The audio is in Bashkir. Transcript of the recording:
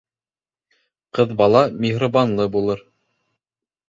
Ҡыҙ бала миһырбанлы булыр.